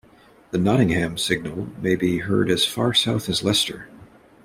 The Nottingham signal may be heard as far south as Leicester.